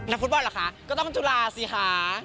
นักฟุตบอลหรือคะก็ต้องจุฬาศิษย์สิค่ะ